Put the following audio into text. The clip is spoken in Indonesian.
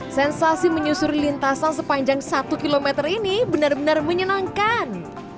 sensasi menyusuri lintasan sepanjang satu km ini benar benar menyenangkan